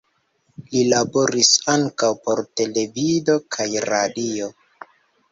Li laboris ankaŭ por televido kaj radio.